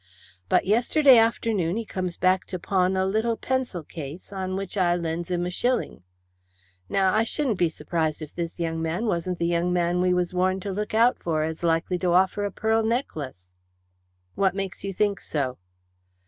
But, yesterday afternoon he comes back to pawn, a little pencil case, on which I lends him a shilling. Now, I shouldn't be surprised if this young man wasn't the young man we was warned to look out for as likely to offer a pearl necklace." "What makes you think so?"